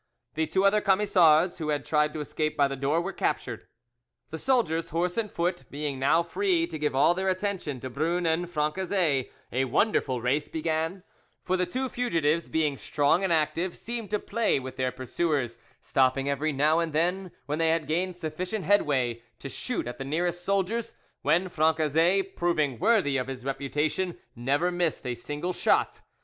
The two other Camisards, who had tried to escape by the door, were captured. The soldiers, horse and foot, being now free to give all their attention to Brun and Francezet, a wonderful race began; for the two fugitives, being strong and active, seemed to play with their pursuers, stopping every now and then, when they had gained sufficient headway, to shoot at the nearest soldiers; when Francezet, proving worthy of his reputation, never missed a single shot.